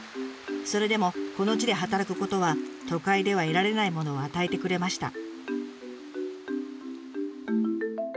それでもこの地で働くことは都会では得られないものを与えてくれました。